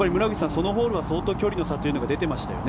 そのホールは相当、距離の差というのが出てましたよね。